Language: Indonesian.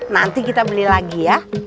nanti kita beli lagi ya